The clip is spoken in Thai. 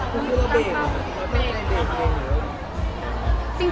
คุณคิดเรากำลังไปครับ